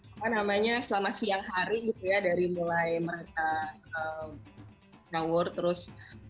apa namanya selama siang hari gitu ya dari mulai mereka nawur terus